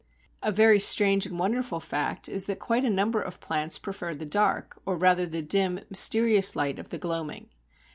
A very strange and wonderful fact is that quite a number of plants prefer the dark, or rather the dim, mysterious light of the gloaming.